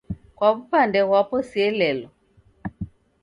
Kwa w'upande ghwapo sielelo